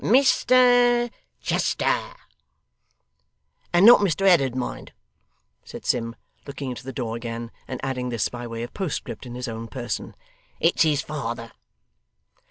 'Mr Chester.' 'And not Mr Ed'dard, mind,' said Sim, looking into the door again, and adding this by way of postscript in his own person; 'it's his father.